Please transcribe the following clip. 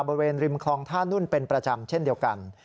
บริเวณริมคลองท่านุ่นเป็นประจำเช่นเดียวกัน